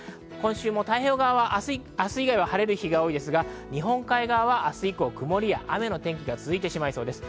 太平洋側は晴れる日が多いですが、日本海側は明日以降、曇りや雨の天気が続いてしまいそうです。